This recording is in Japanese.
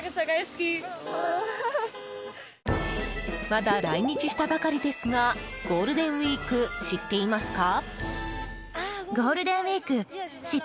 まだ来日したばかりですがゴールデンウィーク知っていますか？